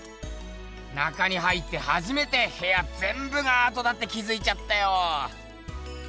中に入ってはじめてへやぜんぶがアートだって気づいちゃったよ。